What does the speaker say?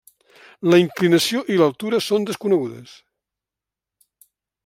La inclinació i l'altura són desconegudes.